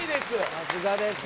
さすがです